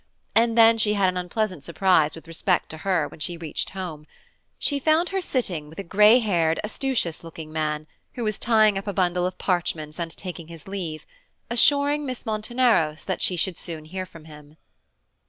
And then she had an unpleasant surprise with respect to her when she reached home; she found her sitting with a grey haired, astucious looking man, who was tying up a bundle of parchments and taking his leave, assuring Miss Monteneros that she should soon hear from him.